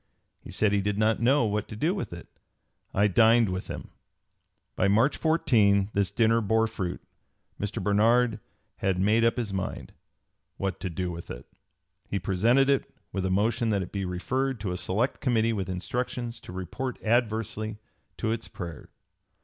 He said he did not know what to do with it. I dined with him." By March 14 this dinner bore fruit. Mr. Barnard had made up his mind "what to do with it." He presented it, with a motion that it be referred to a select committee with instructions to report adversely to its prayer.